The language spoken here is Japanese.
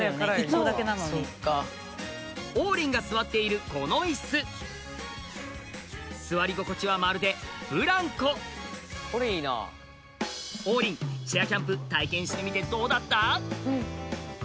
１個だけなのに王林が座っているこのイス座り心地はまるでブランコ王林チェアキャンプ体験してみてどうだった？